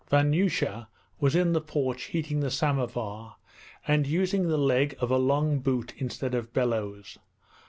Vanyusha was in the porch heating the samovar, and using the leg of a long boot instead of bellows.